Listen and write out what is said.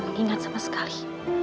mengingat sama sekali